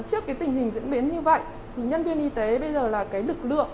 trước tình hình diễn biến như vậy nhân viên y tế bây giờ là lực lượng